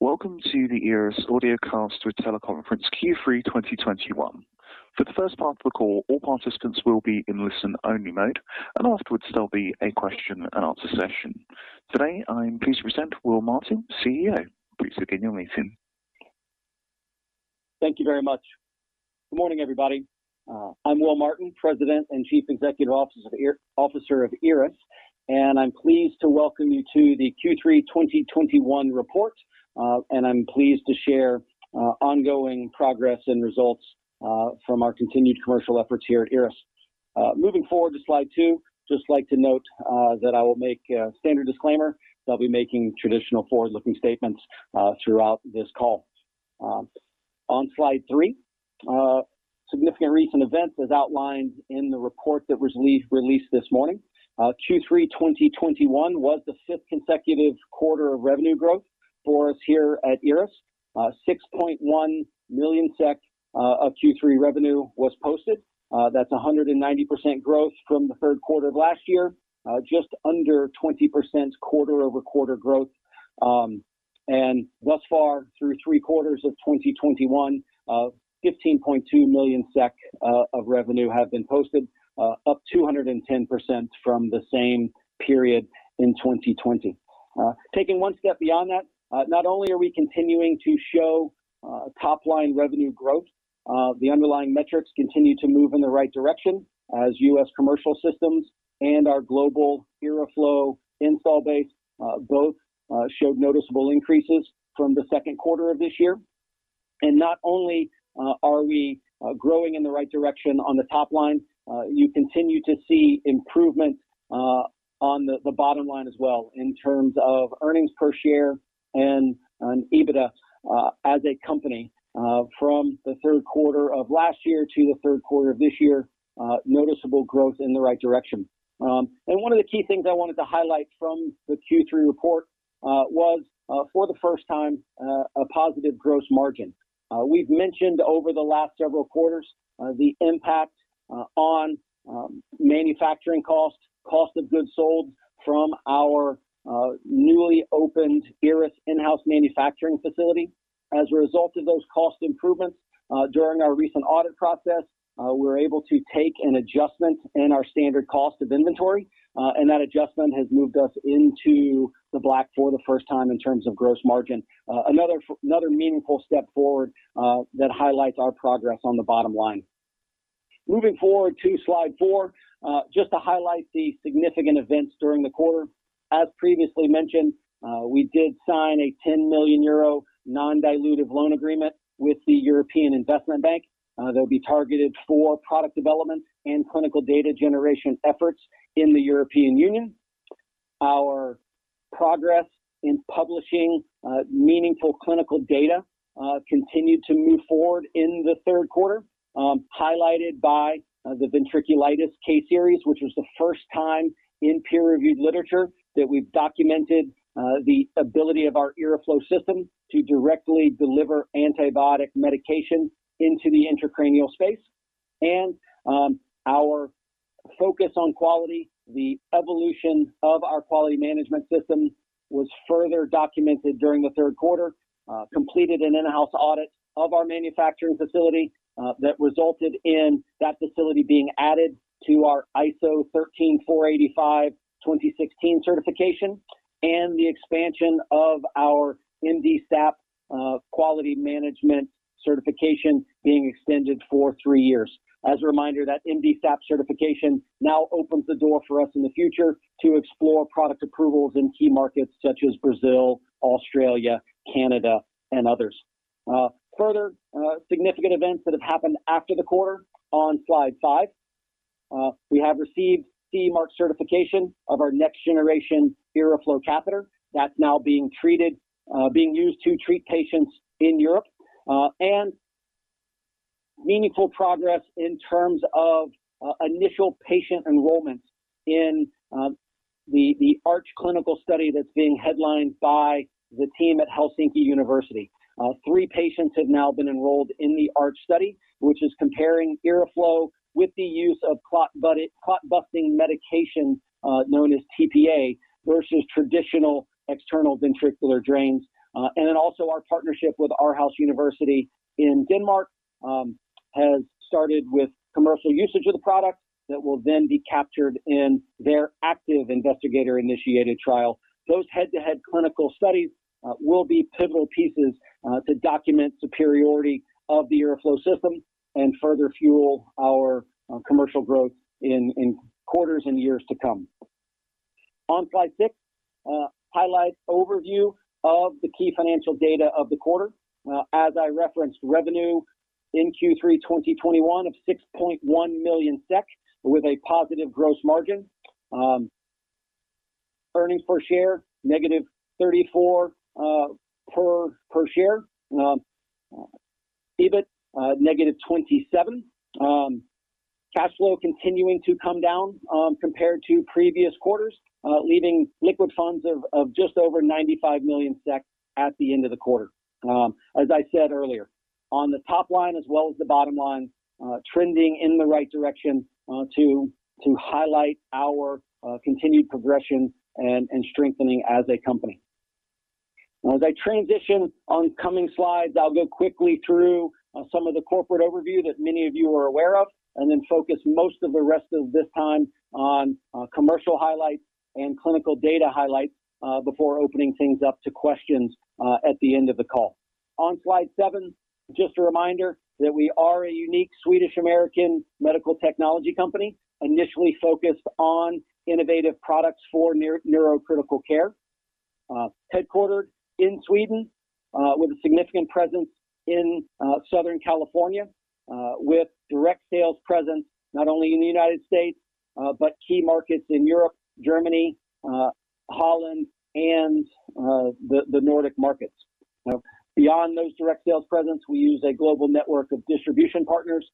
Welcome to the IRRAS Audiocast with Teleconference Q3 2021. For the first part of the call, all participants will be in listen-only mode, and afterwards there'll be a question and answer session. Today, I'm pleased to present Will Martin, CEO. Please begin your meeting. Thank you very much. Good morning, everybody. I'm Will Martin, President and Chief Executive Officer of IRRAS, and I'm pleased to welcome you to the Q3 2021 report. I'm pleased to share ongoing progress and results from our continued commercial efforts here at IRRAS. Moving forward to slide two, I just like to note that I will make a standard disclaimer that I'll be making traditional forward-looking statements throughout this call. On slide three, significant recent events as outlined in the report that was released this morning. Q3 2021 was the fifth consecutive quarter of revenue growth for us here at IRRAS. 6.1 million SEK of Q3 revenue was posted. That's 190% growth from the third quarter of last year, just under 20% quarter-over-quarter growth. Thus far, through three quarters of 2021, 15.2 million SEK of revenue have been posted, up 210% from the same period in 2020. Taking one step beyond that, not only are we continuing to show top-line revenue growth, the underlying metrics continue to move in the right direction as U.S. Commercial Systems and our global IRRAflow install base both showed noticeable increases from the second quarter of this year. Not only are we growing in the right direction on the top line, you continue to see improvement on the bottom line as well in terms of earnings per share and on EBITDA, as a company, from the third quarter of last year to the third quarter of this year, noticeable growth in the right direction. One of the key things I wanted to highlight from the Q3 report was, for the first time, a positive gross margin. We've mentioned over the last several quarters, the impact on manufacturing cost of goods sold from our newly opened IRRAS in-house manufacturing facility. As a result of those cost improvements, during our recent audit process, we were able to take an adjustment in our standard cost of inventory, and that adjustment has moved us into the black for the first time in terms of gross margin. Another meaningful step forward that highlights our progress on the bottom line. Moving forward to slide four, just to highlight the significant events during the quarter. As previously mentioned, we did sign a 10 million euro non-dilutive loan agreement with the European Investment Bank. They'll be targeted for product development and clinical data generation efforts in the European Union. Our progress in publishing meaningful clinical data continued to move forward in the third quarter, highlighted by the ventriculitis case series, which was the first time in peer-reviewed literature that we've documented the ability of our IRRAflow system to directly deliver antibiotic medication into the intracranial space. Our focus on quality, the evolution of our quality management system, was further documented during the third quarter. We completed an in-house audit of our manufacturing facility that resulted in that facility being added to our ISO 13485:2016 certification and the expansion of our MDSAP quality management certification being extended for three years. As a reminder, that MDSAP certification now opens the door for us in the future to explore product approvals in key markets such as Brazil, Australia, Canada, and others. Further significant events that have happened after the quarter on slide five. We have received CE Mark certification of our next-generation IRRAflow catheter that's now being used to treat patients in Europe. Meaningful progress in terms of initial patient enrollments in the ARCH clinical study that's being headlined by the team at Helsinki University. Three patients have now been enrolled in the ARCH study, which is comparing IRRAflow with the use of clot-busting medication known as TPA versus traditional external ventricular drains. Our partnership with Aarhus University in Denmark has started with commercial usage of the product that will then be captured in their active investigator-initiated trial. Those head-to-head clinical studies will be pivotal pieces to document superiority of the IRRAflow system and further fuel our commercial growth in quarters and years to come. On slide six, highlights overview of the key financial data of the quarter. As I referenced, revenue in Q3 2021 of 6.1 million SEK with a positive gross margin. Earnings per share -34 per share. EBIT -27. Cash flow continuing to come down compared to previous quarters, leaving liquid funds of just over 95 million SEK at the end of the quarter. As I said earlier, on the top line as well as the bottom line, trending in the right direction to highlight our continued progression and strengthening as a company. As I transition on coming slides, I'll go quickly through some of the corporate overview that many of you are aware of and then focus most of the rest of this time on commercial highlights and clinical data highlights before opening things up to questions at the end of the call. On slide seven, just a reminder that we are a unique Swedish-American medical technology company initially focused on innovative products for neurocritical care, headquartered in Sweden, with a significant presence in Southern California, with direct sales presence not only in the United States, but key markets in Europe, Germany, Holland, and the Nordic markets. Now, beyond those direct sales presence, we use a global network of distribution partners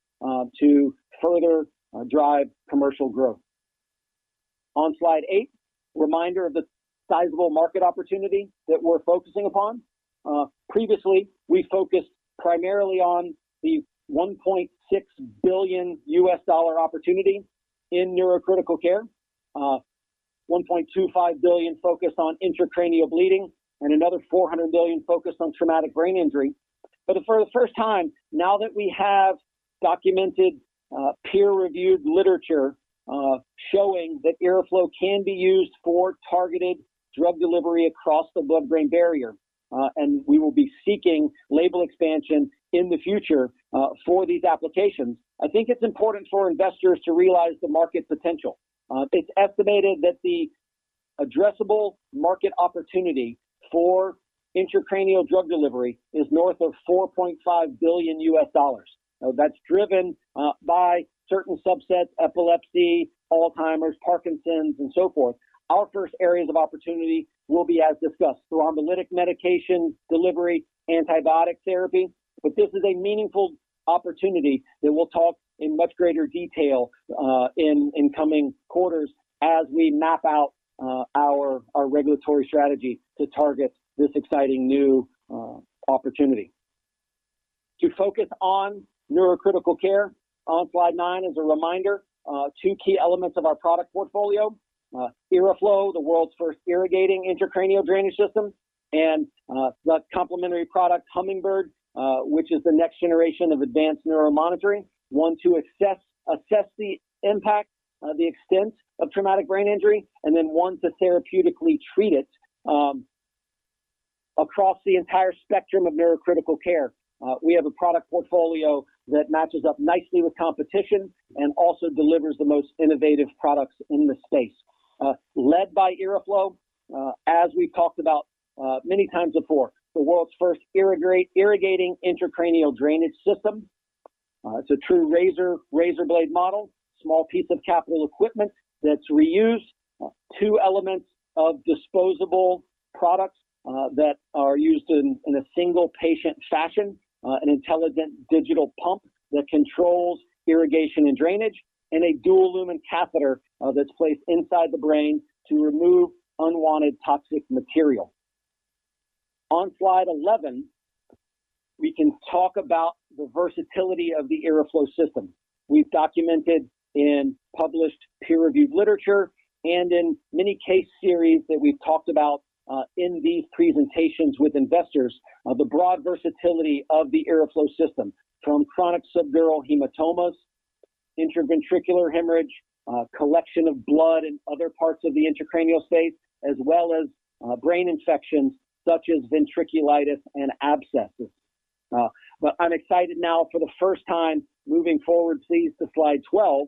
to further drive commercial growth. On slide eight, reminder of the sizable market opportunity that we're focusing upon. Previously, we focused primarily on the $1.6 billion opportunity in neurocritical care, $1.25 billion focused on intracranial bleeding, and another $400 million focused on traumatic brain injury. For the first time, now that we have documented peer-reviewed literature showing that IRRAflow can be used for targeted drug delivery across the blood-brain barrier, and we will be seeking label expansion in the future for these applications. I think it's important for investors to realize the market potential. It's estimated that the addressable market opportunity for intracranial drug delivery is north of $4.5 billion. Now, that's driven by certain subsets, epilepsy, Alzheimer's, Parkinson's, and so forth. Our first areas of opportunity will be as discussed, thrombolytic medication delivery, antibiotic therapy. This is a meaningful opportunity that we'll talk in much greater detail in coming quarters as we map out our regulatory strategy to target this exciting new opportunity. To focus on neurocritical care, on slide nine is a reminder two key elements of our product portfolio. IRRAflow, the world's first irrigating intracranial drainage system, and the complementary product Hummingbird, which is the next generation of advanced neuromonitoring, one to assess the impact the extent of traumatic brain injury, and then one to therapeutically treat it, across the entire spectrum of neurocritical care. We have a product portfolio that matches up nicely with competition and also delivers the most innovative products in the space. Led by IRRAflow, as we've talked about many times before, the world's first irrigating intracranial drainage system. It's a true razor blade model, small piece of capital equipment that's reused. Two elements of disposable products that are used in a single patient fashion. An intelligent digital pump that controls irrigation and drainage, and a dual lumen catheter that's placed inside the brain to remove unwanted toxic material. On slide 11, we can talk about the versatility of the IRRAflow system. We've documented in published peer-reviewed literature and in many case series that we've talked about in these presentations with investors the broad versatility of the IRRAflow system from chronic subdural hematomas, intraventricular hemorrhage, collection of blood in other parts of the intracranial space, as well as brain infections such as ventriculitis and abscesses. I'm excited now for the first time moving forward, please, to slide 12.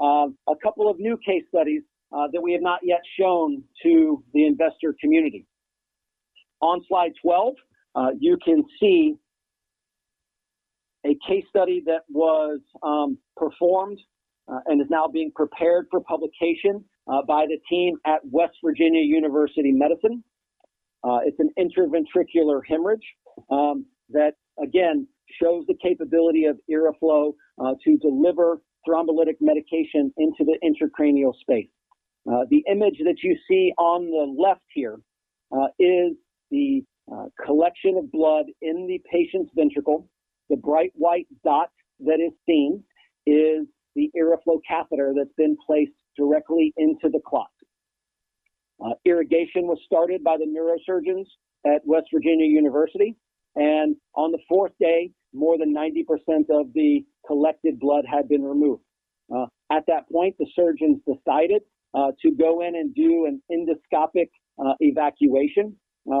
A couple of new case studies that we have not yet shown to the investor community. On slide 12, you can see a case study that was performed and is now being prepared for publication by the team at WVU Medicine. It's an intraventricular hemorrhage that again shows the capability of IRRAflow to deliver thrombolytic medication into the intracranial space. The image that you see on the left here is the collection of blood in the patient's ventricle. The bright white dot that is seen is the IRRAflow catheter that's been placed directly into the clot. Irrigation was started by the neurosurgeons at West Virginia University, and on the fourth day, more than 90% of the collected blood had been removed. At that point, the surgeons decided to go in and do an endoscopic evacuation. It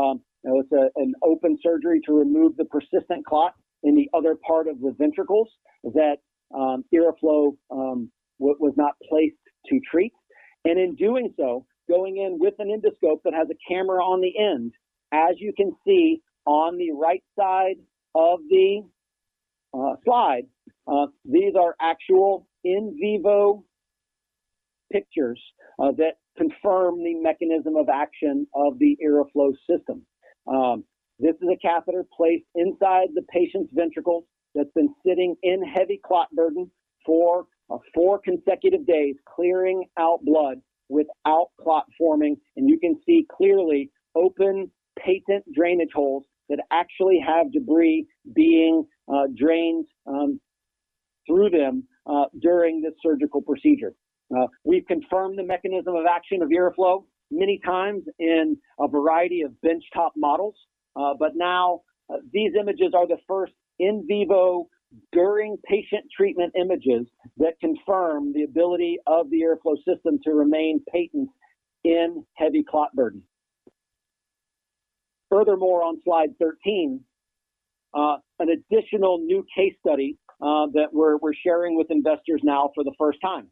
was an open surgery to remove the persistent clot in the other part of the ventricles that IRRAflow was not placed to treat. In doing so, going in with an endoscope that has a camera on the end, as you can see on the right side of the slide, these are actual in vivo pictures that confirm the mechanism of action of the IRRAflow system. This is a catheter placed inside the patient's ventricle that's been sitting in heavy clot burden for four consecutive days, clearing out blood without clot forming. You can see clearly open patent drainage holes that actually have debris being drained out through them during this surgical procedure. We've confirmed the mechanism of action of IRRAflow many times in a variety of benchtop models. Now these images are the first in vivo during patient treatment images that confirm the ability of the IRRAflow system to remain patent in heavy clot burden. Furthermore, on slide 13, an additional new case study that we're sharing with investors now for the first time.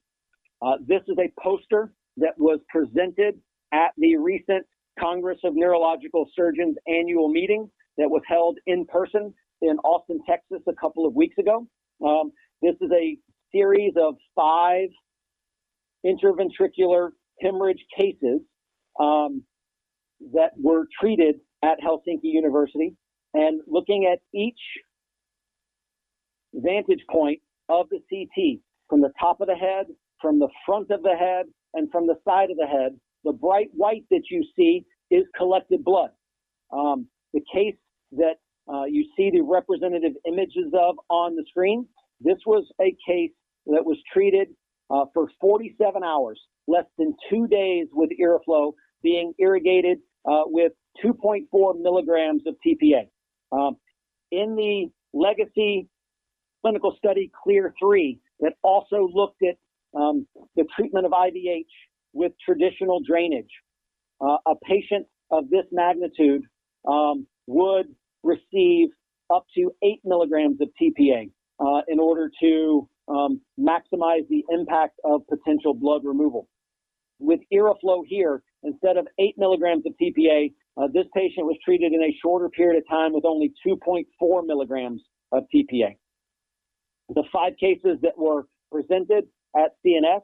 This is a poster that was presented at the recent Congress of Neurological Surgeons annual meeting that was held in person in Austin, Texas, a couple of weeks ago. This is a series of five intraventricular hemorrhage cases that were treated at Helsinki University. Looking at each vantage point of the CT from the top of the head, from the front of the head, and from the side of the head, the bright white that you see is collected blood. The case that you see the representative images of on the screen, this was a case that was treated for 47 hours, less than two days, with IRRAflow being irrigated with 2.4 mg of tPA. In the legacy clinical study, CLEAR III, that also looked at the treatment of IVH with traditional drainage, a patient of this magnitude would receive up to 8 mg of tPA in order to maximize the impact of potential blood removal. With IRRAflow here, instead of 8 mg of TPA, this patient was treated in a shorter period of time with only 2.4 mg of TPA. The five cases that were presented at CNS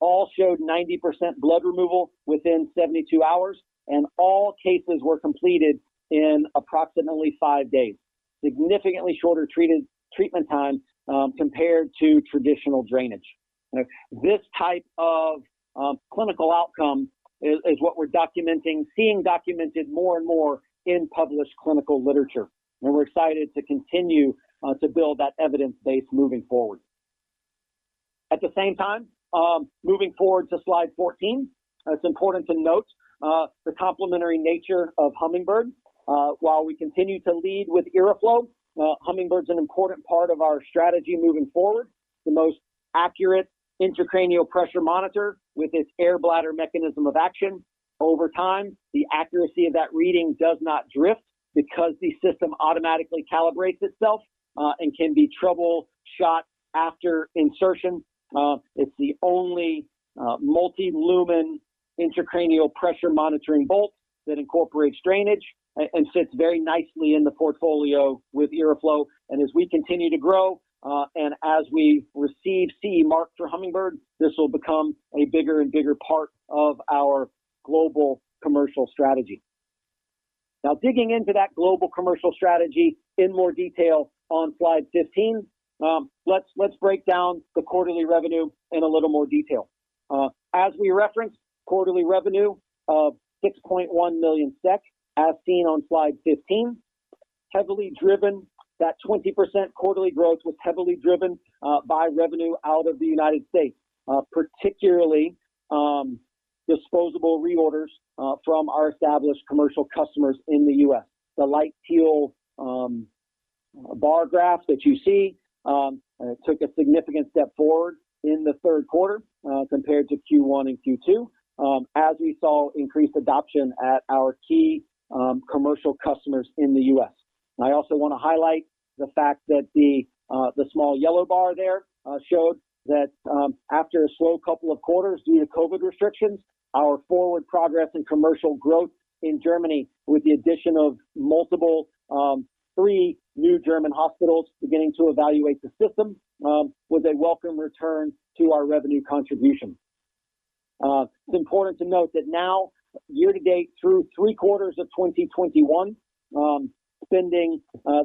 all showed 90% blood removal within 72 hours, and all cases were completed in approximately five days. Significantly shorter treatment time compared to traditional drainage. This type of clinical outcome is what we're documenting, seeing documented more and more in published clinical literature. We're excited to continue to build that evidence base moving forward. At the same time, moving forward to slide 14, it's important to note the complementary nature of Hummingbird. While we continue to lead with IRRAflow, Hummingbird is an important part of our strategy moving forward. The most accurate intracranial pressure monitor with its air bladder mechanism of action. Over time, the accuracy of that reading does not drift because the system automatically calibrates itself, and can be troubleshot after insertion. It's the only multi-lumen intracranial pressure monitoring bolt that incorporates drainage and sits very nicely in the portfolio with IRRAflow. As we continue to grow, and as we receive CE Mark for Hummingbird, this will become a bigger and bigger part of our global commercial strategy. Now, digging into that global commercial strategy in more detail on slide 15. Let's break down the quarterly revenue in a little more detail. As we referenced, quarterly revenue of 6.1 million SEK, as seen on slide 15. That 20% quarterly growth was heavily driven by revenue out of the United States, particularly disposable reorders from our established commercial customers in the U.S. The light teal bar graph that you see took a significant step forward in the third quarter, compared to Q1 and Q2, as we saw increased adoption at our key commercial customers in the U.S. I also want to highlight the fact that the small yellow bar there showed that, after a slow couple of quarters due to COVID restrictions, our forward progress in commercial growth in Germany with the addition of multiple three new German hospitals beginning to evaluate the system was a welcome return to our revenue contribution. It's important to note that year-to-date through three quarters of 2021, we spent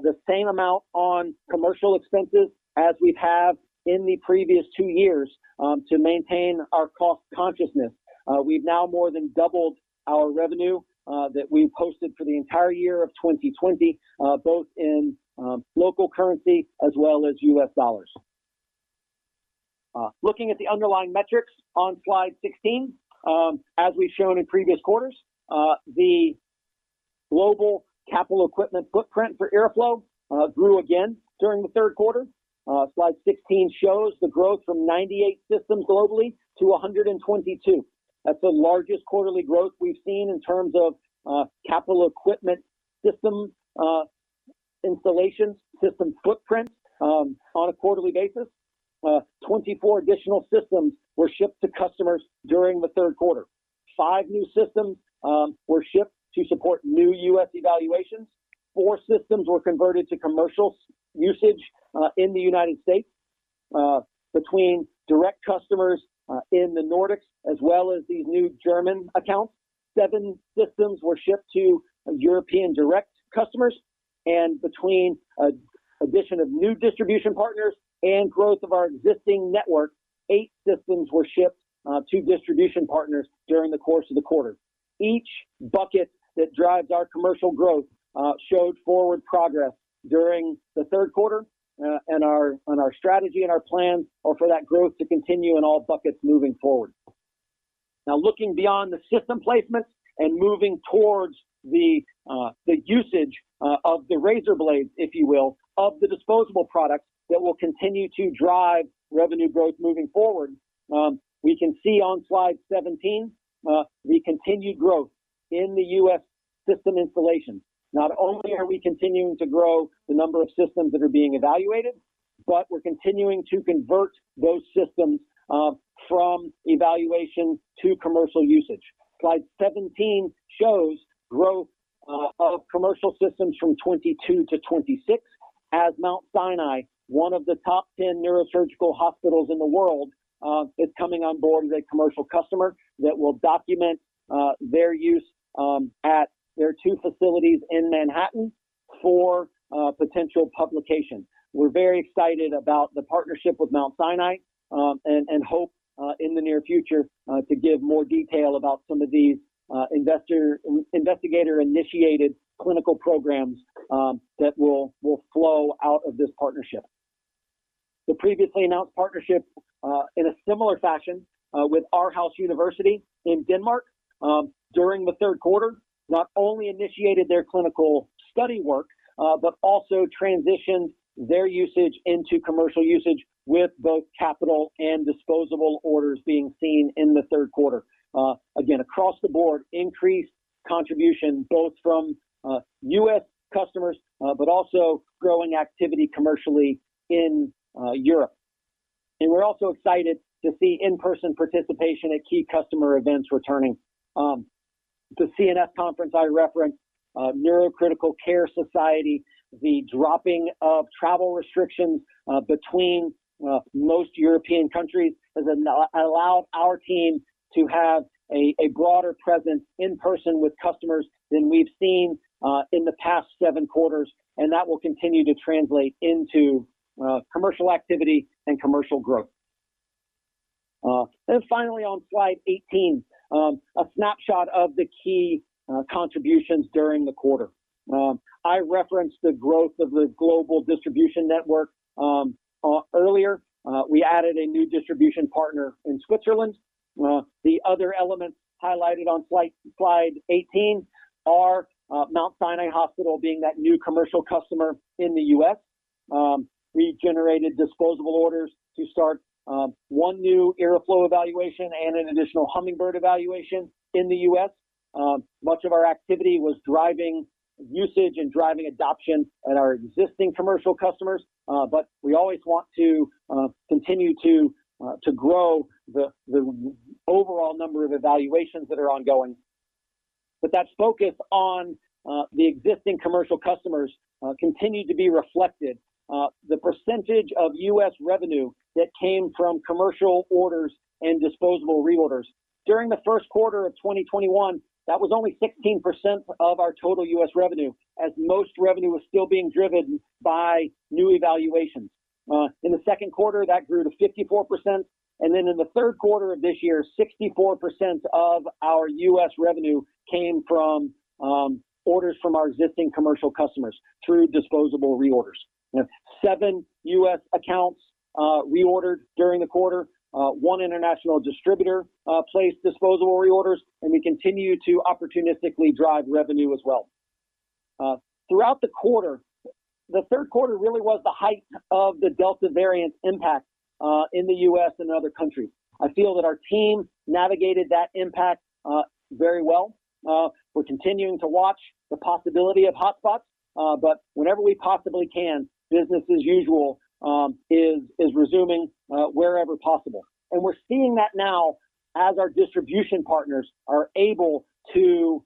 the same amount on commercial expenses as we have in the previous two years to maintain our cost consciousness. We've now more than doubled our revenue that we posted for the entire year of 2020, both in local currency as well as US dollars. Looking at the underlying metrics on slide 16. As we've shown in previous quarters, the global capital equipment footprint for IRRAflow grew again during the third quarter. Slide 16 shows the growth from 98 systems globally to 122. That's the largest quarterly growth we've seen in terms of capital equipment system installations, system footprint on a quarterly basis. 24 additional systems were shipped to customers during the third quarter. Five new systems were shipped to support new U.S. evaluations. Four systems were converted to commercial usage in the United States. Between direct customers in the Nordics as well as these new German accounts. 7 systems were shipped to European direct customers. Between addition of new distribution partners and growth of our existing network, eight systems were shipped to distribution partners during the course of the quarter. Each bucket that drives our commercial growth showed forward progress during the third quarter, and our strategy and our plan are for that growth to continue in all buckets moving forward. Now, looking beyond the system placements and moving towards the usage of the razor blade, if you will, of the disposable products that will continue to drive revenue growth moving forward, we can see on slide 17 the continued growth in the U.S. system installation. Not only are we continuing to grow the number of systems that are being evaluated, but we're continuing to convert those systems from evaluation to commercial usage. Slide 17 shows growth of commercial systems from 22-26 as Mount Sinai, one of the top 10 neurosurgical hospitals in the world, is coming on board as a commercial customer that will document their use at their two facilities in Manhattan for potential publication. We're very excited about the partnership with Mount Sinai and hope in the near future to give more detail about some of these investigator-initiated clinical programs that will flow out of this partnership. The previously announced partnership in a similar fashion with Aarhus University in Denmark during the third quarter not only initiated their clinical study work but also transitioned their usage into commercial usage with both capital and disposable orders being seen in the third quarter. Again, across the board, increased contribution both from U.S. customers, but also growing activity commercially in Europe. We're also excited to see in-person participation at key customer events returning. The CNS conference I referenced, Neurocritical Care Society, the dropping of travel restrictions between most European countries has allowed our team to have a broader presence in person with customers than we've seen in the past seven quarters, and that will continue to translate into commercial activity and commercial growth. Finally on slide 18, a snapshot of the key contributions during the quarter. I referenced the growth of the global distribution network earlier. We added a new distribution partner in Switzerland. The other elements highlighted on slide 18 are Mount Sinai Hospital being that new commercial customer in the U.S. We generated disposable orders to start one new IRRAflow evaluation and an additional Hummingbird evaluation in the U.S. Much of our activity was driving usage and driving adoption at our existing commercial customers, but we always want to continue to grow the overall number of evaluations that are ongoing. That focus on the existing commercial customers continued to be reflected. The percentage of U.S. revenue that came from commercial orders and disposable reorders during the first quarter of 2021 was only 16% of our total U.S. revenue, as most revenue was still being driven by new evaluations. In the second quarter, that grew to 54%. In the third quarter of this year, 64% of our U.S. revenue came from orders from our existing commercial customers through disposable reorders. We have seven U.S. accounts reordered during the quarter. One international distributor placed disposable reorders, and we continue to opportunistically drive revenue as well. Throughout the quarter, the third quarter really was the height of the Delta variant impact in the U.S. and other countries. I feel that our team navigated that impact very well. We're continuing to watch the possibility of hotspots, but whenever we possibly can, business as usual is resuming wherever possible. We're seeing that now as our distribution partners are able to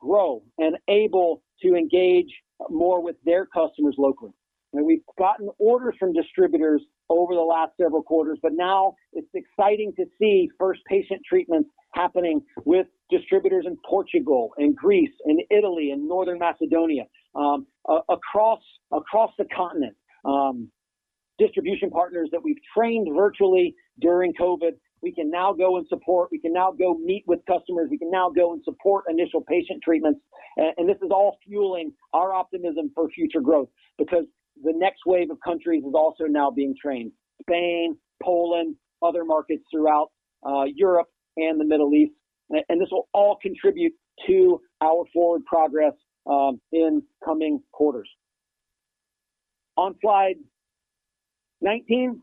grow and able to engage more with their customers locally. We've gotten orders from distributors over the last several quarters, but now it's exciting to see first patient treatments happening with distributors in Portugal, in Greece, in Italy, in North Macedonia. Across the continent, distribution partners that we've trained virtually during COVID, we can now go and support. We can now go meet with customers. We can now go and support initial patient treatments. This is all fueling our optimism for future growth because the next wave of countries is also now being trained, Spain, Poland, other markets throughout Europe and the Middle East. This will all contribute to our forward progress in coming quarters. On slide 19,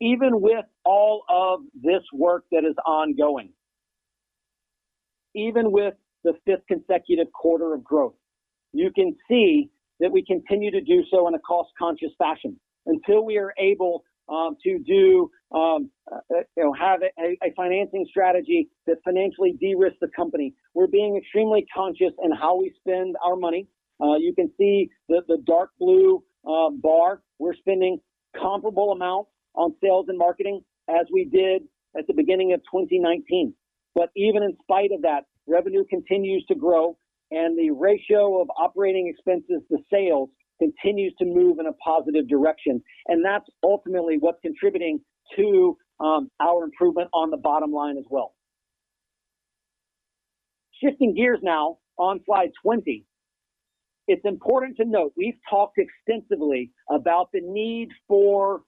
even with all of this work that is ongoing, even with the fifth consecutive quarter of growth, you can see that we continue to do so in a cost-conscious fashion. Until we are able to have a financing strategy that financially de-risks the company, we're being extremely conscious in how we spend our money. You can see the dark blue bar. We're spending comparable amounts on sales and marketing as we did at the beginning of 2019. But even in spite of that, revenue continues to grow and the ratio of operating expenses to sales continues to move in a positive direction. That's ultimately what's contributing to our improvement on the bottom line as well. Shifting gears now on slide 20. It's important to note we've talked extensively about the need for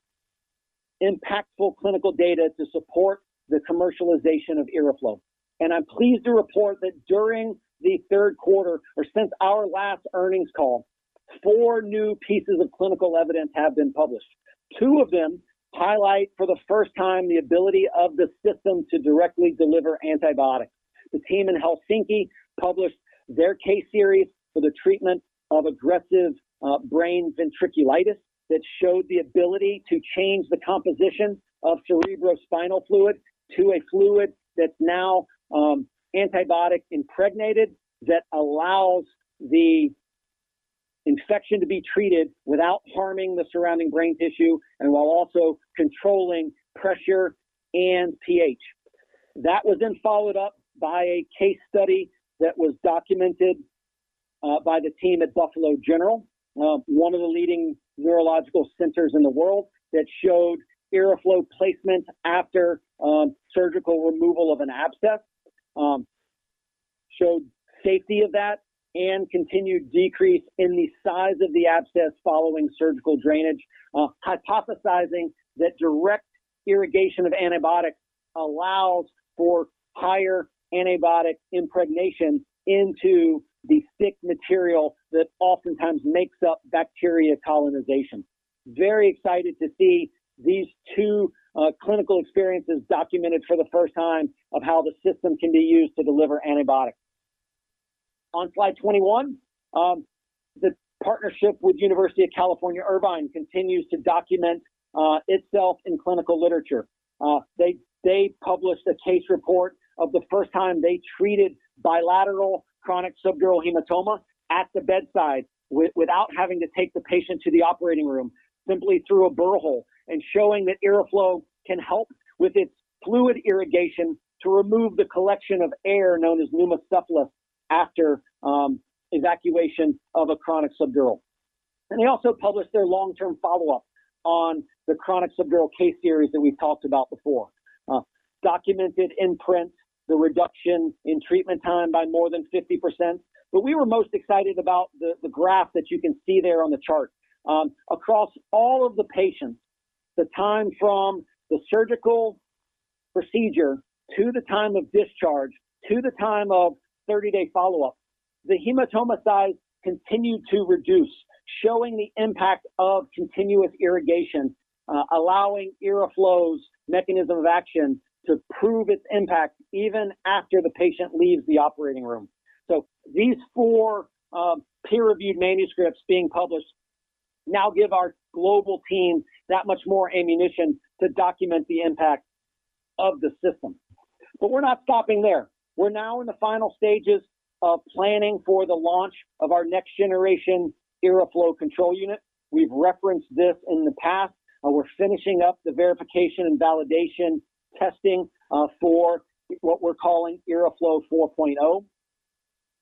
impactful clinical data to support the commercialization of IRRAflow. I'm pleased to report that during the third quarter or since our last earnings call, four new pieces of clinical evidence have been published. Two of them highlight for the first time the ability of the system to directly deliver antibiotics. The team in Helsinki published their case series for the treatment of aggressive brain ventriculitis that showed the ability to change the composition of cerebrospinal fluid to a fluid that's now antibiotic impregnated that allows the infection to be treated without harming the surrounding brain tissue and while also controlling pressure and pH. That was then followed up by a case study that was documented by the team at Buffalo General, one of the leading neurological centers in the world that showed IRRAflow placement after surgical removal of an abscess, showed safety of that and continued decrease in the size of the abscess following surgical drainage, hypothesizing that direct irrigation of antibiotics allows for higher antibiotic impregnation into the thick material that oftentimes makes up bacteria colonization. Very excited to see these two clinical experiences documented for the first time of how the system can be used to deliver antibiotics. On slide 21, the partnership with University of California, Irvine continues to document itself in clinical literature. They published a case report of the first time they treated bilateral chronic subdural hematoma at the bedside without having to take the patient to the operating room simply through a burr hole and showing that IRRAflow can help with its fluid irrigation to remove the collection of air known as pneumocephalus after evacuation of a chronic subdural. They also published their long-term follow-up on the chronic subdural case series that we've talked about before, documented in print the reduction in treatment time by more than 50%. We were most excited about the graph that you can see there on the chart. Across all of the patients, the time from the surgical procedure to the time of discharge to the time of 30-day follow-up, the hematoma size continued to reduce, showing the impact of continuous irrigation, allowing IRRAflow's mechanism of action to prove its impact even after the patient leaves the operating room. These four peer-reviewed manuscripts being published now give our global team that much more ammunition to document the impact of the system. We're not stopping there. We're now in the final stages of planning for the launch of our next generation IRRAflow control unit. We've referenced this in the past, and we're finishing up the verification and validation testing for what we're calling IRRAflow 4.0.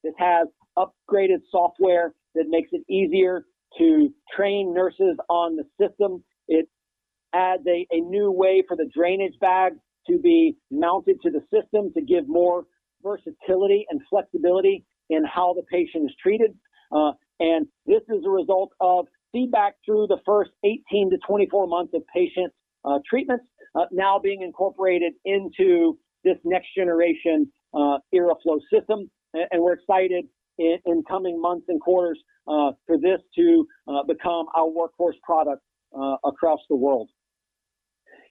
It has upgraded software that makes it easier to train nurses on the system. It adds a new way for the drainage bag to be mounted to the system to give more versatility and flexibility in how the patient is treated. This is a result of feedback through the first 18-24 months of patient treatments now being incorporated into this next generation IRRAflow system. We're excited in coming months and quarters for this to become our workhorse product across the world.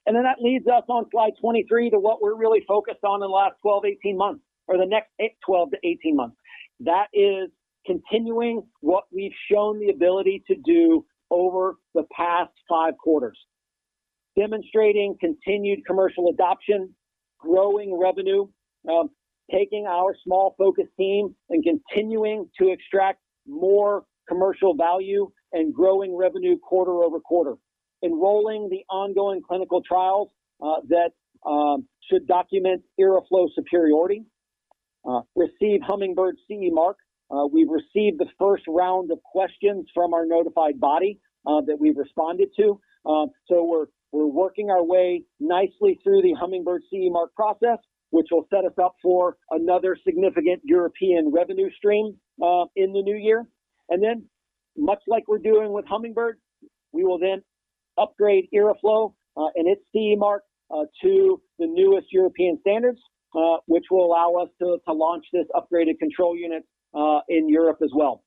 That leads us on slide 23 to what we're really focused on in the last 12-18 months, or the next 12-18 months. That is continuing what we've shown the ability to do over the past five quarters. Demonstrating continued commercial adoption, growing revenue, taking our small focused team and continuing to extract more commercial value and growing revenue quarter-over-quarter. Enrolling the ongoing clinical trials that should document IRRAflow superiority. Receive Hummingbird's CE mark. We've received the first round of questions from our notified body that we've responded to. We're working our way nicely through the Hummingbird CE mark process, which will set us up for another significant European revenue stream in the new year. Much like we're doing with Hummingbird, we will then upgrade IRRAflow and its CE mark to the newest European standards, which will allow us to launch this upgraded control unit in Europe as well.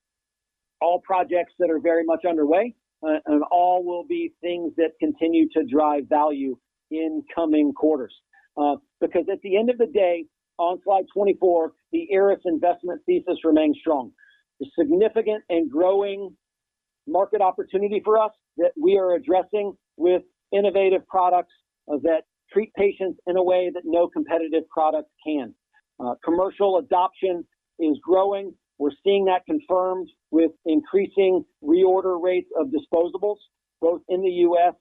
All projects that are very much underway, and all will be things that continue to drive value in coming quarters. Because at the end of the day, on slide 24, the IRRAS investment thesis remains strong. The significant and growing market opportunity for us that we are addressing with innovative products that treat patients in a way that no competitive products can. Commercial adoption is growing. We're seeing that confirmed with increasing reorder rates of disposables both in the U.S.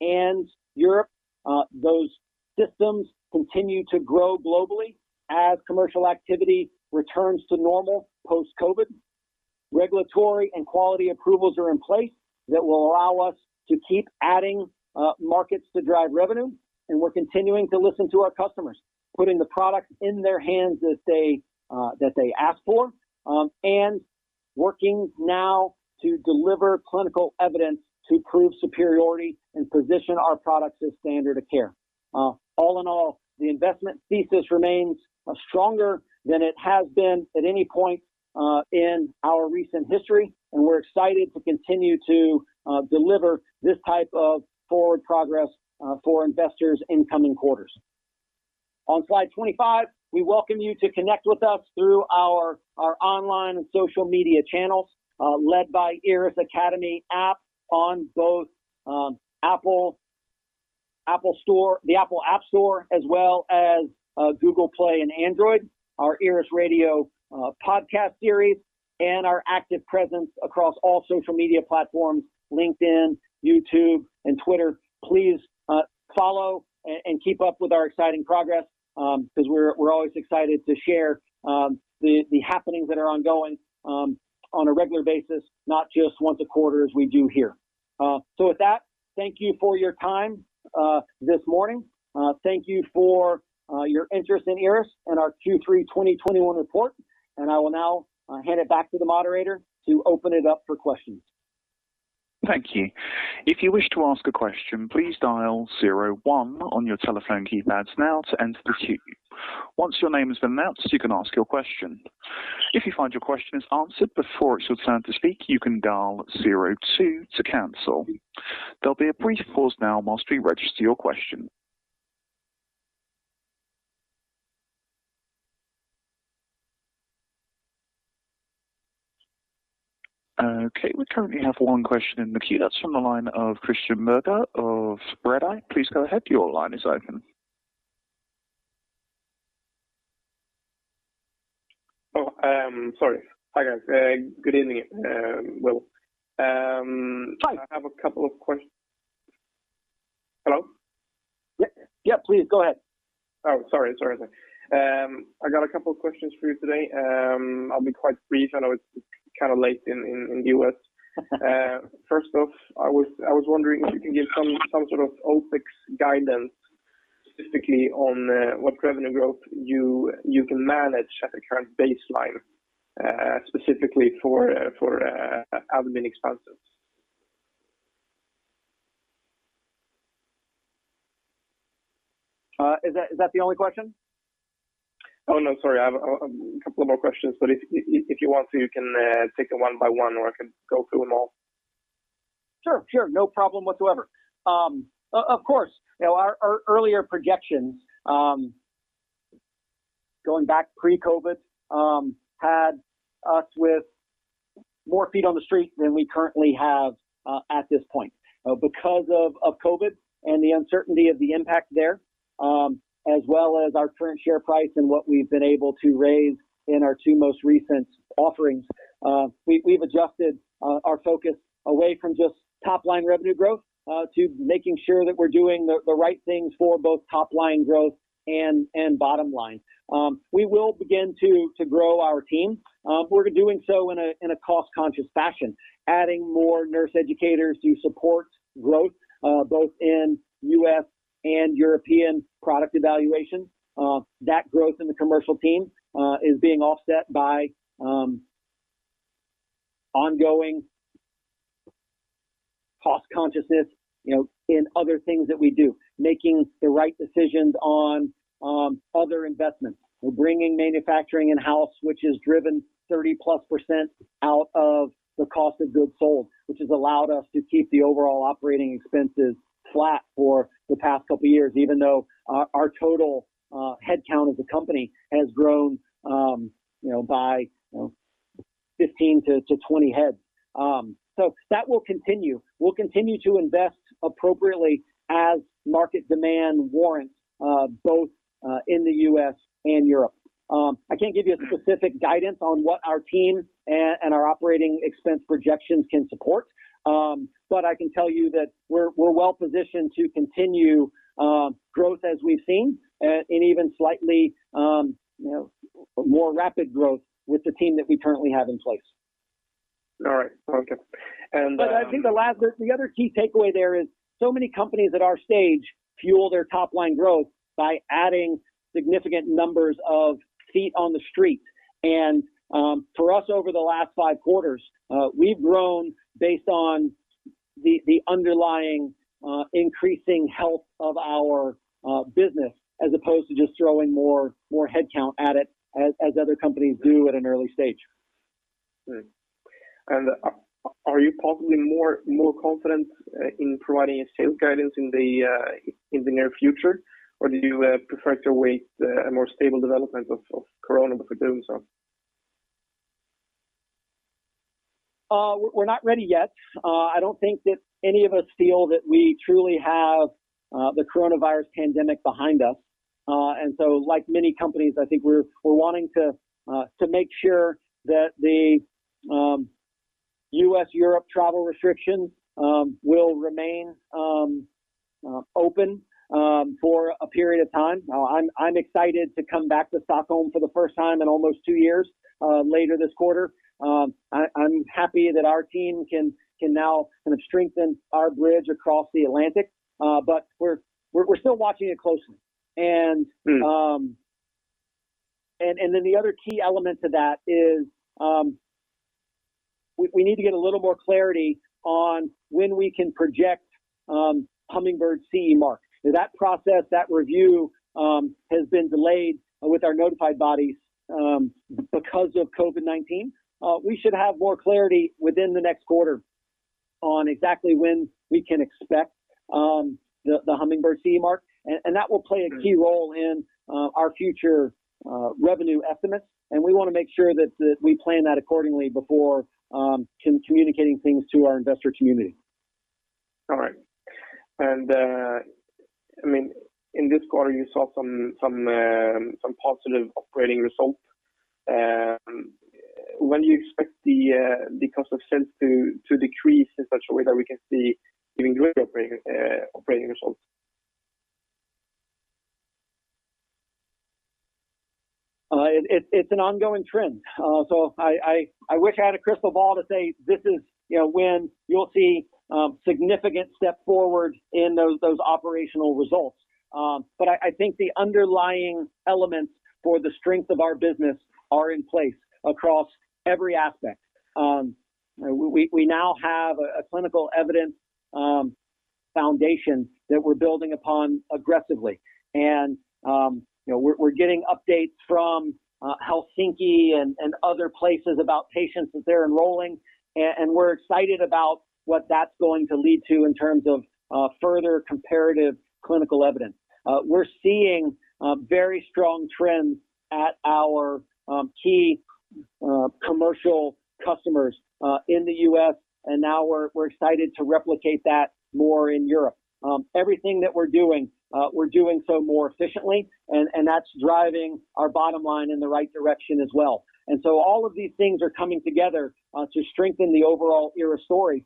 and Europe. Those systems continue to grow globally as commercial activity returns to normal post-COVID. Regulatory and quality approvals are in place that will allow us to keep adding markets to drive revenue. We're continuing to listen to our customers, putting the product in their hands that they ask for, and working now to deliver clinical evidence to prove superiority and position our products as standard of care. All in all, the investment thesis remains stronger than it has been at any point in our recent history, and we're excited to continue to deliver this type of forward progress for investors in coming quarters. On slide 25, we welcome you to connect with us through our online social media channels, led by IRRAS Academy app on both the Apple App Store, as well as Google Play and Android, our IRRAS Radio podcast series and our active presence across all social media platforms LinkedIn, YouTube, and Twitter. Please follow and keep up with our exciting progress, because we're always excited to share the happenings that are ongoing on a regular basis, not just once a quarter as we do here. With that, thank you for your time this morning. Thank you for your interest in IRRAS and our Q3 2021 report. I will now hand it back to the moderator to open it up for questions. Thank you. If you wish to ask a question, please dial zero one on your telephone keypads now to enter the queue. Once your name is announced, you can ask your question. If you find your question is answered before it's your turn to speak, you can dial zero two to cancel. There'll be a brief pause now while we register your question. Okay. We currently have one question in the queue. That's from the line of Christian [Bergman of Redeye. Please go ahead. Your line is open. Oh, sorry. Hi, guys. Good evening, Will. Hi. Hello? Yeah. Yeah, please go ahead. Oh, sorry. Sorry about that. I got a couple of questions for you today. I'll be quite brief. I know it's kind of late in the U.S. First off, I was wondering if you can give some sort of OPEX guidance specifically on what revenue growth you can manage at the current baseline, specifically for admin expenses. Is that the only question? Oh, no, sorry. I've a couple of more questions. If you want to, you can take it one by one, or I can go through them all. Sure. No problem whatsoever. Of course. You know, our earlier projections going back pre-COVID had us with more feet on the street than we currently have at this point. Because of COVID and the uncertainty of the impact there, as well as our current share price and what we've been able to raise in our two most recent offerings, we've adjusted our focus away from just top line revenue growth to making sure that we're doing the right things for both top line growth and bottom line. We will begin to grow our team. We're doing so in a cost-conscious fashion, adding more nurse educators to support growth both in U.S. and European product evaluation. That growth in the commercial team is being offset by ongoing cost consciousness, you know, in other things that we do, making the right decisions on other investments. We're bringing manufacturing in-house, which has driven 30%+ out of the cost of goods sold, which has allowed us to keep the overall operating expenses flat for the past couple of years, even though our total headcount as a company has grown, you know, by 15 to 20 heads. That will continue. We'll continue to invest appropriately as market demand warrants, both in the U.S. and Europe. I can't give you a specific guidance on what our team and our operating expense projections can support. I can tell you that we're well positioned to continue growth as we've seen and even slightly, you know, more rapid growth with the team that we currently have in place. All right. Okay. I think the other key takeaway there is so many companies at our stage fuel their top-line growth by adding significant numbers of feet on the street. For us over the last five quarters, we've grown based on the underlying increasing health of our business as opposed to just throwing more headcount at it as other companies do at an early stage. Right. Are you possibly more confident in providing a sales guidance in the near future, or do you prefer to wait a more stable development of Corona before doing so? We're not ready yet. I don't think that any of us feel that we truly have the coronavirus pandemic behind us. Like many companies, I think we're wanting to make sure that the U.S.-Europe travel restrictions will remain open for a period of time. Now, I'm excited to come back to Stockholm for the first time in almost two years later this quarter. I'm happy that our team can now kind of strengthen our bridge across the Atlantic. We're still watching it closely. Mm. Then the other key element to that is, we need to get a little more clarity on when we can project Hummingbird CE Mark. Now, that process, that review, has been delayed with our notified bodies, because of COVID-19. We should have more clarity within the next quarter on exactly when we can expect the Hummingbird CE Mark. That will play a key role in our future revenue estimates, and we wanna make sure that we plan that accordingly before communicating things to our investor community. All right. I mean, in this quarter, you saw some positive operating results. When do you expect the cost of sales to decrease in such a way that we can see even greater operating results? It's an ongoing trend. I wish I had a crystal ball to say, "This is, you know, when you'll see significant step forward in those operational results." I think the underlying elements for the strength of our business are in place across every aspect. We now have a clinical evidence foundation that we're building upon aggressively. You know, we're getting updates from Helsinki and other places about patients that they're enrolling, and we're excited about what that's going to lead to in terms of further comparative clinical evidence. We're seeing very strong trends at our key commercial customers in the U.S., and now we're excited to replicate that more in Europe. Everything that we're doing so more efficiently and that's driving our bottom line in the right direction as well. All of these things are coming together to strengthen the overall IRRAS story.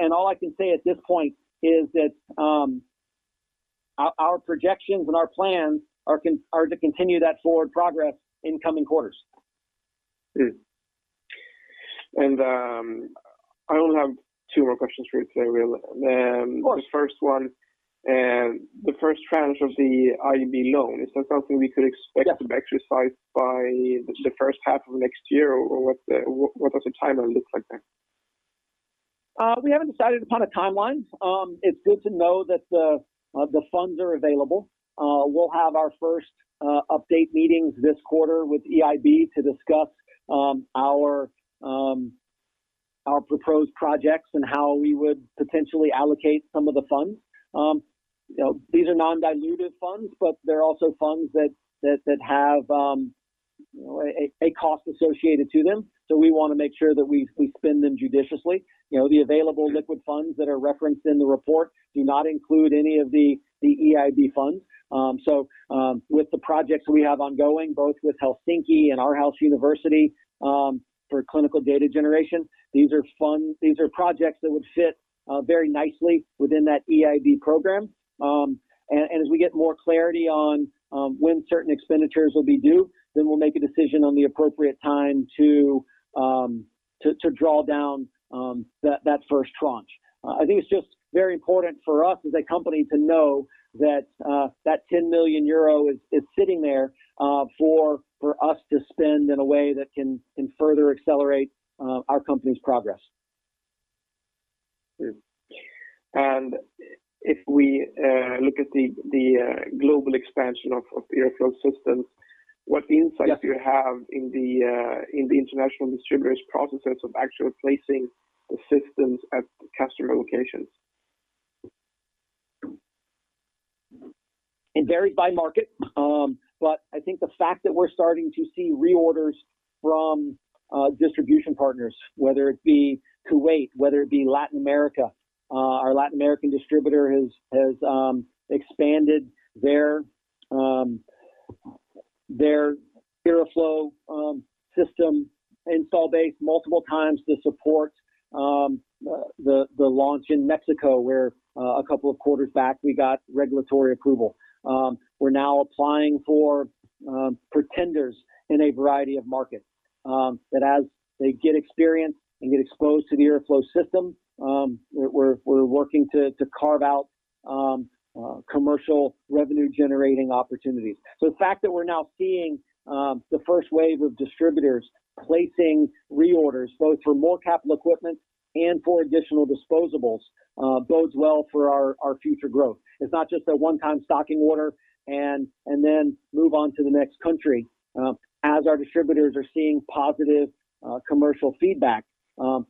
All I can say at this point is that our projections and our plans are to continue that forward progress in coming quarters. I only have two more questions for you today, Will. Of course. The first one, the first tranche of the EIB loan, is that something we could expect- Yeah... to be exercised by the first half of next year, or what does the timeline look like there? We haven't decided upon a timeline. It's good to know that the funds are available. We'll have our first update meetings this quarter with EIB to discuss our proposed projects and how we would potentially allocate some of the funds. You know, these are non-dilutive funds, but they're also funds that have a cost associated to them, so we wanna make sure that we spend them judiciously. You know, the available liquid funds that are referenced in the report do not include any of the EIB funds. With the projects we have ongoing, both with Helsinki and Aarhus University, for clinical data generation, these are projects that would fit very nicely within that EIB program. As we get more clarity on when certain expenditures will be due, then we'll make a decision on the appropriate time to draw down that first tranche. I think it's just very important for us as a company to know that 10 million euro is sitting there for us to spend in a way that can further accelerate our company's progress. If we look at the global expansion of the IRRAflow system. Yeah What insights do you have in the international distributors' processes of actually placing the systems at customer locations? It varies by market, but I think the fact that we're starting to see reorders from distribution partners, whether it be Kuwait, whether it be Latin America. Our Latin American distributor has expanded their IRRAflow system install base multiple times to support the launch in Mexico, where a couple of quarters back we got regulatory approval. We're now applying for tenders in a variety of markets that as they get experience and get exposed to the IRRAflow system, we're working to carve out commercial revenue-generating opportunities. The fact that we're now seeing the first wave of distributors placing reorders, both for more capital equipment and for additional disposables, bodes well for our future growth. It's not just a one-time stocking order and then move on to the next country. As our distributors are seeing positive commercial feedback,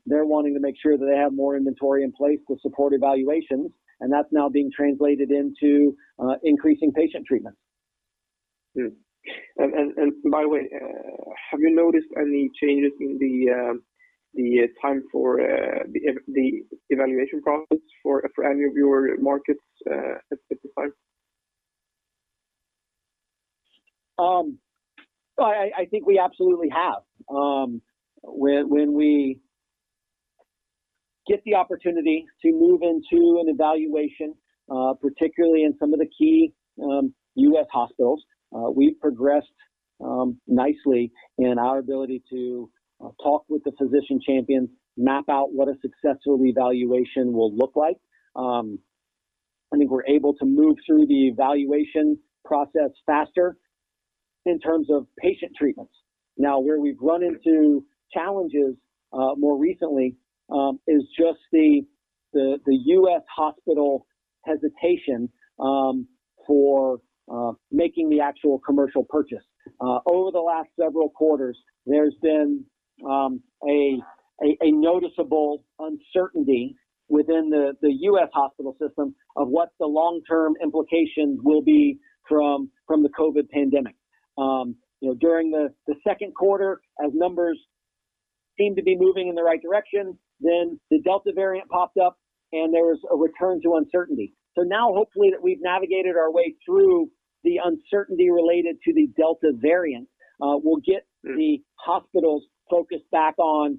they're wanting to make sure that they have more inventory in place to support evaluations, and that's now being translated into increasing patient treatment. By the way, have you noticed any changes in the time for the evaluation process for any of your markets at this time? I think we absolutely have. When we get the opportunity to move into an evaluation, particularly in some of the key U.S. hospitals, we've progressed nicely in our ability to talk with the physician champions, map out what a successful evaluation will look like. I think we're able to move through the evaluation process faster in terms of patient treatments. Now, where we've run into challenges more recently is just the U.S. hospital hesitation for making the actual commercial purchase. Over the last several quarters, there's been a noticeable uncertainty within the U.S. hospital system of what the long-term implications will be from the COVID pandemic. You know, during the second quarter, as numbers seemed to be moving in the right direction, the Delta variant popped up, and there was a return to uncertainty. Now, hopefully, that we've navigated our way through the uncertainty related to the Delta variant, we'll get the hospitals focused back on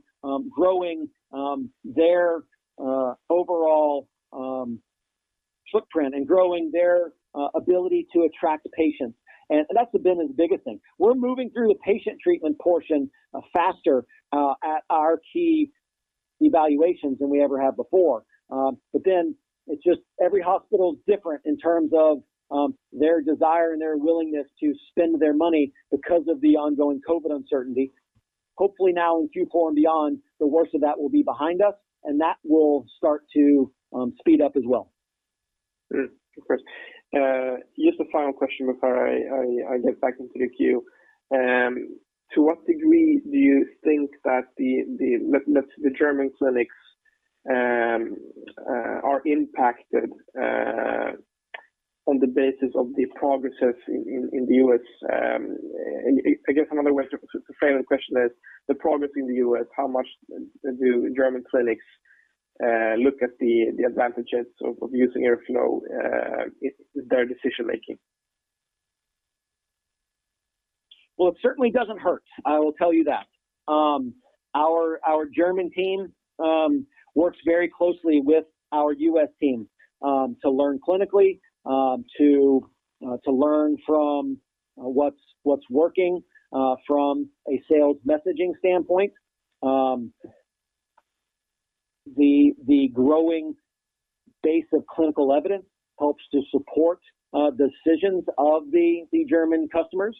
growing their overall footprint and growing their ability to attract patients. That's been the biggest thing. We're moving through the patient treatment portion faster at our key evaluations than we ever have before. Every hospital is different in terms of their desire and their willingness to spend their money because of the ongoing COVID uncertainty. Hopefully now in Q4 and beyond, the worst of that will be behind us, and that will start to speed up as well. Of course. Just a final question before I get back into the queue. To what degree do you think that, let's say, the German clinics are impacted on the basis of the progress in the U.S.? I guess another way to phrase the question is the progress in the U.S. How much do German clinics look at the advantages of using IRRAflow in their decision-making? Well, it certainly doesn't hurt. I will tell you that. Our German team works very closely with our U.S. team to learn clinically from what's working from a sales messaging standpoint. The growing base of clinical evidence helps to support decisions of the German customers.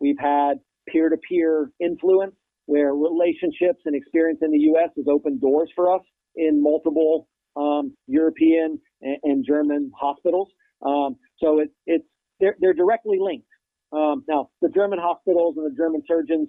We've had peer-to-peer influence where relationships and experience in the U.S. has opened doors for us in multiple European and German hospitals. They're directly linked. Now the German hospitals and the German surgeons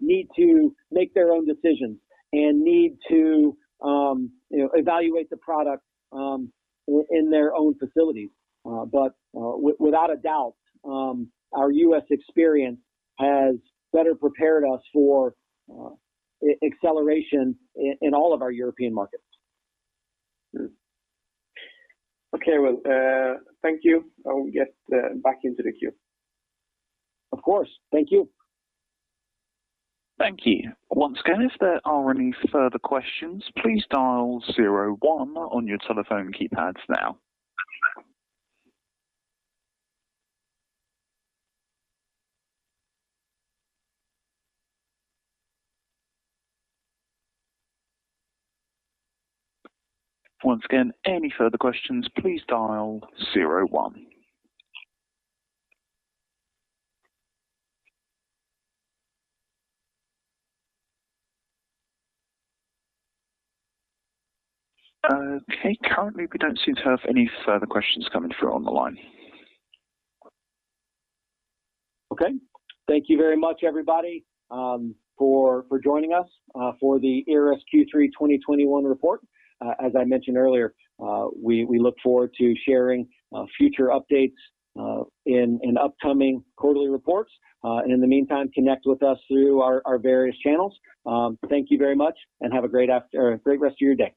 need to make their own decisions and need to, you know, evaluate the product in their own facilities. Without a doubt, our U.S. experience has better prepared us for acceleration in all of our European markets. Okay. Well, thank you. I will get back into the queue. Of course. Thank you. Thank you. Once again, if there are any further questions, please dial zero one on your telephone keypads now. Once again, any further questions, please dial zero one. Okay. Currently, we don't seem to have any further questions coming through on the line. Okay. Thank you very much, everybody, for joining us for the IRRAS Q3 2021 report. As I mentioned earlier, we look forward to sharing future updates in upcoming quarterly reports. In the meantime, connect with us through our various channels. Thank you very much, and have a great rest of your day.